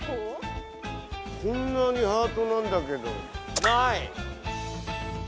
・こんなにハートなんだけど。